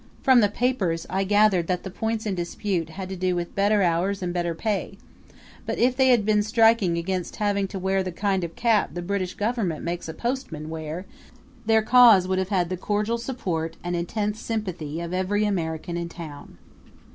From the papers I gathered that the points in dispute had to do with better hours and better pay; but if they had been striking against having to wear the kind of cap the British Government makes a postman wear, their cause would have had the cordial support and intense sympathy of every American in town.